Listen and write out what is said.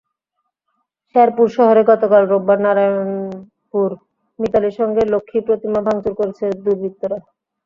শেরপুর শহরে গতকাল রোববার নারায়ণপুর মিতালী সংঘের লক্ষ্মী প্রতিমা ভাঙচুর করেছে দুর্বৃত্তরা।